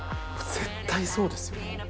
絶対そうですよ。